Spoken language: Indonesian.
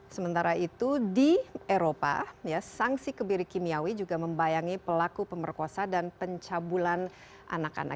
sementara itu di eropa sanksi kebiri kimiawi juga membayangi pelaku pemerkosa dan pencabulan anak anak